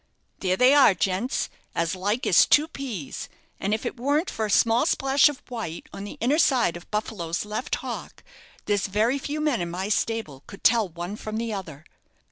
"There they are, gents, as like as two peas, and if it weren't for a small splash of white on the inner side of 'Buffalo's' left hock, there's very few men in my stable could tell one from the other."